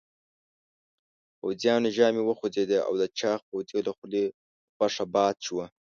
پوځيانو ژامې وخوځېدې او د چاغ پوځي له خولې غوښه باد شوه.